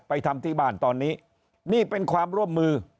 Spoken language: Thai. ทำที่บ้านตอนนี้นี่เป็นความร่วมมือ